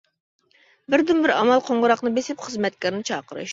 بىردىنبىر ئامال قوڭغۇراقنى بېسىپ خىزمەتكارنى چاقىرىش.